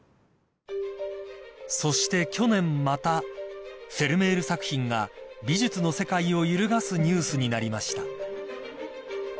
［そして去年またフェルメール作品が美術の世界を揺るがすニュースになりました］